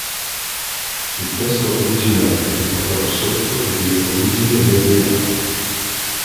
Il testo originale riportato sotto è di origine medioevale.